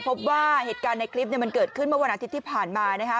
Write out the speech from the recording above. พบว่าเหตุการณ์ในคลิปมันเกิดขึ้นเมื่อวันอาทิตย์ที่ผ่านมานะคะ